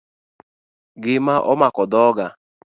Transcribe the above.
Gima omako dhoga